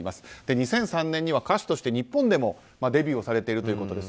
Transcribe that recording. ２００３年には歌手として日本でもデビューをされているということです。